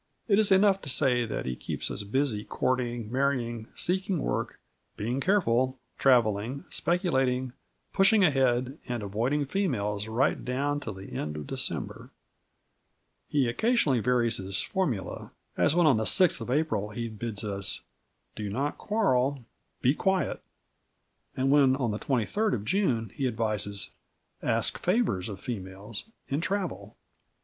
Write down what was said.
It is enough to say that he keeps us busy courting, marrying, seeking work, being careful, travelling, speculating, pushing ahead, and avoiding females right down till the end of December. He occasionally varies his formula, as when on the 6th of April he bids us: "Do not quarrel. Be quiet," and when, on the 23rd of June, he advises: "Ask favours of females, and travel."